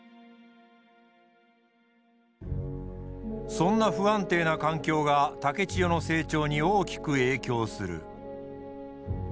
そんな不安定な環境が竹千代の成長に大きく影響する。